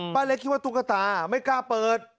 เล็กคิดว่าตุ๊กตาไม่กล้าเปิด